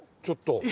ちょっと。